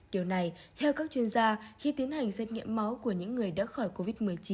điều này theo các chuyên gia khi tiến hành xét nghiệm máu của những người đã khỏi covid một mươi chín